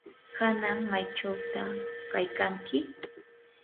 ¿kanan maychawta kaykanki?